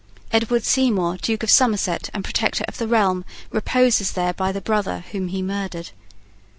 Edward Seymour, Duke of Somerset, and Protector of the realm, reposes there by the brother whom he murdered.